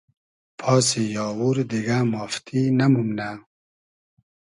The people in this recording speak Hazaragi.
پاسی آوور دیگۂ مافتی نئمومنۂ